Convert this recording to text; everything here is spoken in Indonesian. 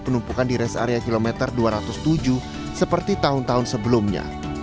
penumpukan di res area kilometer dua ratus tujuh seperti tahun tahun sebelumnya